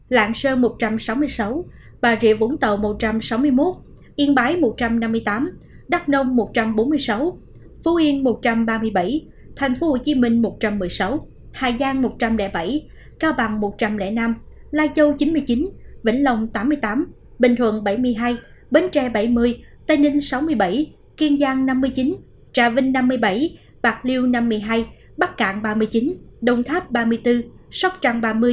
lạng sơ một trăm sáu mươi sáu bà rịa vũng tàu một trăm sáu mươi một yên bái một trăm năm mươi tám đắk nông một trăm bốn mươi sáu phú yên một trăm ba mươi bảy thành phố hồ chí minh một trăm một mươi sáu hải giang một trăm linh bảy cao bằng một trăm linh năm lai châu chín mươi chín vĩnh lòng tám mươi tám bình thuận bảy mươi hai bến tre bảy mươi tây ninh sáu mươi bảy kiên giang năm mươi chín trà vinh năm mươi bảy bạc liêu năm mươi hai bắc cạn ba mươi chín đồng tháp ba mươi bốn sóc trăng ba mươi